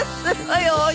はい。